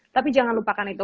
tapi jangan lupakan itu